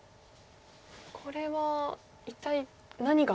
これは一体何が？